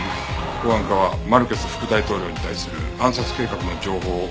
公安課はマルケス副大統領に対する暗殺計画の情報を入手しています。